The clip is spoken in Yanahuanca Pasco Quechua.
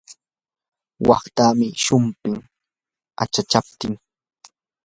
waqtamii humpin achachaptin.